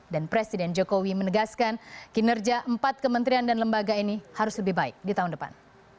dan presiden jokowi menegaskan kinerja empat kementerian dan lembaga ini harus lebih baik di tahun depan